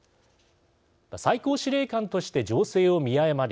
最高司令官として情勢を見誤り